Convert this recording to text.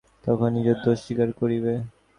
তখন নিজের দোষ স্বীকার করিবে?